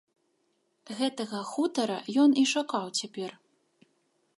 Гэтага хутара ён і шукаў цяпер.